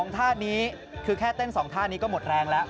ท่านี้คือแค่เต้น๒ท่านี้ก็หมดแรงแล้ว